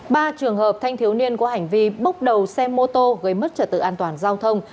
ba trường hợp thanh thiếu niên có hành vi bốc đầu xe mô tô gây mất trật tự an toàn giao thông